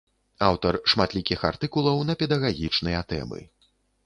Аўтар шматлікіх артыкулаў на педагагічныя тэмы.